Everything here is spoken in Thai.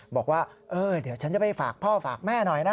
บอกว่าเออเดี๋ยวฉันจะไปฝากพ่อฝากแม่หน่อยนะ